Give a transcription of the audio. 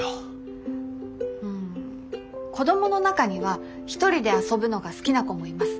うん子どもの中には１人で遊ぶのが好きな子もいます。